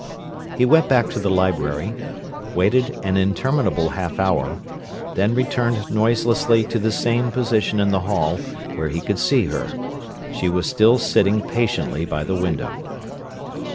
He went back to the library, waited an interminable half hour, then returned noiselessly to the same position in the hall, where he could see her. She was still sitting patiently by the window.